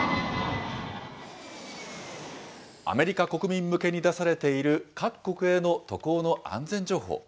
アメリカ国民向けに出されている、各国への渡航の安全情報。